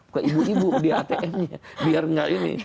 ke ibu ibu di atm nya biar nggak ini